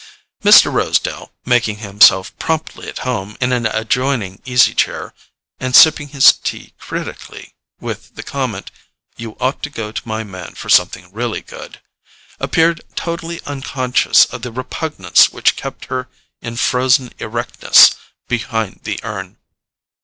Mr. Rosedale—making himself promptly at home in an adjoining easy chair, and sipping his tea critically, with the comment: "You ought to go to my man for something really good"—appeared totally unconscious of the repugnance which kept her in frozen erectness behind the urn.